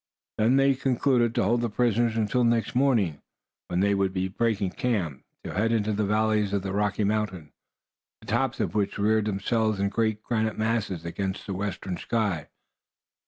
Then they concluded to hold the prisoners until the next morning, when they would be breaking camp, to head into the valleys of the Rocky Mountains, the tops of which reared themselves in great granite masses against the western sky.